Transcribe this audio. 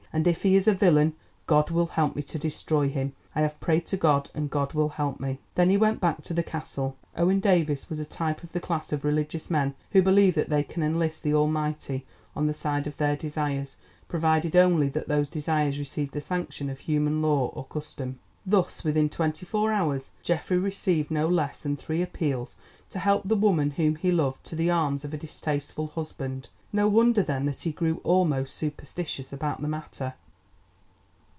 And if he is a villain, God will help me to destroy him. I have prayed to God, and God will help me." Then he went back to the Castle. Owen Davies was a type of the class of religious men who believe that they can enlist the Almighty on the side of their desires, provided only that those desires receive the sanction of human law or custom. Thus within twenty four hours Geoffrey received no less than three appeals to help the woman whom he loved to the arms of a distasteful husband. No wonder then that he grew almost superstitious about the matter.